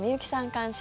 監修